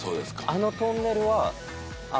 あのトンネルはあの。